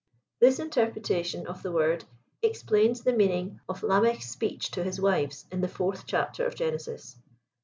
This interpretation of the word explains the meaning of Lamech's speech to his wives in the 4th chapter of Genesis.